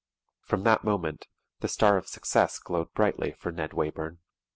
From that moment the star of success glowed brightly for Ned Wayburn.